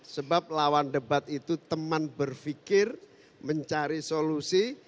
sebab lawan debat itu teman berpikir mencari solusi